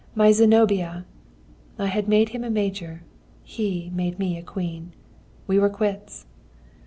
my Zenobia!' I had made him a major; he made me a queen. We were quits.